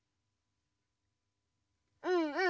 うんうん！